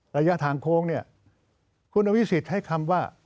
ระยะทางโค้งเนี่ยคุณอภิษฎให้คำว่า